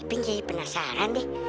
iping jadi penasaran deh